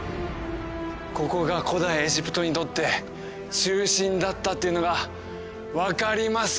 ここが古代エジプトにとって中心だったっていうのが分かります